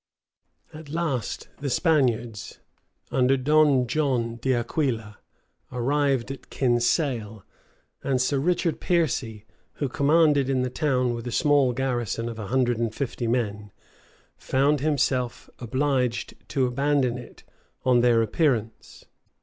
At last the Spaniards, under Don John d'Aquila, arrived at Kinsale; and Sir Richard Piercy, who commanded in the town with a small garrison of a hundred and fifty men, found himself obliged to abandon it on their appearance.